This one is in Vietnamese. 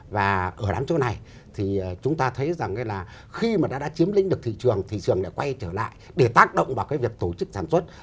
và ở đám chỗ này thì chúng ta thấy rằng là khi mà đã chiếm lĩnh được thị trường thị trường lại quay trở lại để tác động vào cái việc tổ chức sản xuất